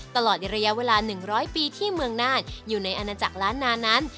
ตลอดในระยะเวลา๑๐๐ปีที่เมืองน่านอยู่ในอาณาจักรล้านนานั้น